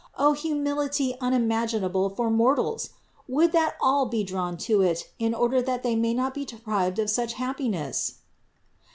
O humility unimaginable for mortals! Would that all be drawn to it, in order that they may not be deprived of such happiness